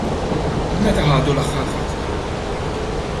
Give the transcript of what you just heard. Meta ħadu l-aħħar ħatra?